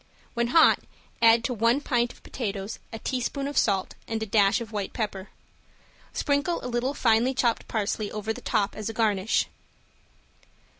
When hot add to one pint of potatoes a tablespoon of salt and a dash of white pepper. Sprinkle a little finely chopped parsley over the top as a garnish.